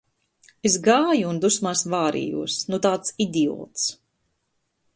Es gāju un dusmās vārījos, nu tāds idiots.